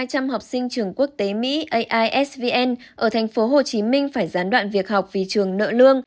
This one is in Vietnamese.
ba trăm linh học sinh trường quốc tế mỹ aisvn ở tp hcm phải gián đoạn việc học vì trường nợ lương